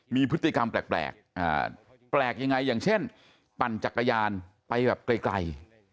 มีพฤติกรรมแปลกแปลกยังไงอย่างเช่นปั่นจักรยานไปแบบไกล